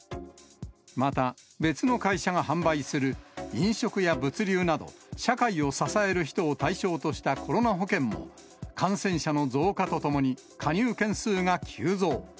また、別の会社が販売する飲食や物流など、社会を支える人を対象としたコロナ保険も、感染者の増加とともに、加入件数が急増。